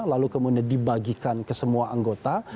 lalu kemudian dibagikan ke semua anggota